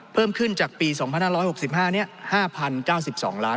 เพิ่มขึ้นจากปี๒๕๖๕นี้๕๐๙๒ล้าน